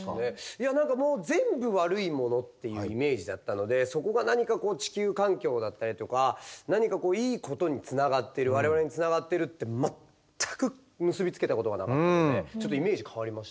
いや何かもう全部悪いものっていうイメージだったのでそこが何か地球環境だったりとか何かこういいことにつながってる我々につながってるって全く結び付けたことがなかったのでちょっとイメージ変わりました。